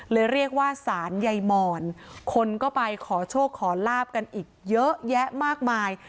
เรียกว่าสารใยมอนคนก็ไปขอโชคขอลาบกันอีกเยอะแยะมากมาย